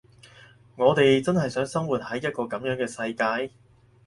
我哋真係想生活喺一個噉樣嘅世界？